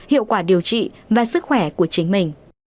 hiệu quả điều trị và sức khỏe của chính mình